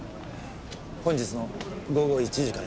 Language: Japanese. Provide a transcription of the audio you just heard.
本日の午後１時から２時の間。